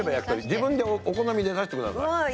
自分でお好みで刺してください。